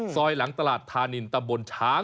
ซอยหลังตลาดธานินตะบลช้าง